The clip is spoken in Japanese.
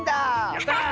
やった！